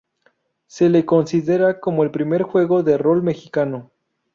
Se le considera como el primer juego de rol mexicano.